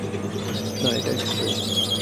না এটা এক্সপ্রেস।